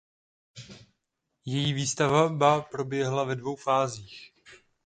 Její výstavba proběhla ve dvou fázích.